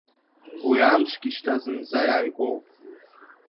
Уи амшгьы шьҭа зынӡа иааигәоуп!